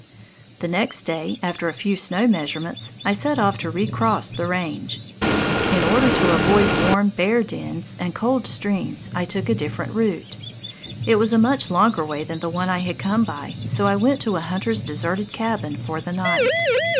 The next day, after a few snow measurements, I set off to re cross the range. In order to avoid warm bear dens and cold streams, I took a different route. It was a much longer way than the one I had come by, so I went to a hunter's deserted cabin for the night.